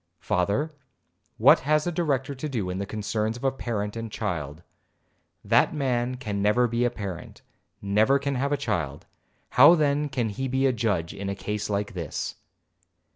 'Father, what has a Director to do in the concerns of a parent and child? That man never can be a parent,—never can have a child, how then can he be a judge in a case like this?'